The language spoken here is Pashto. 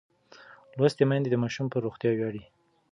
لوستې میندې د ماشوم پر روغتیا ویاړي.